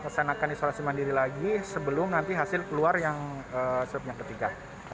kita akan melakukan isolasi mandiri lagi sebelum hasil keluar yang ketiga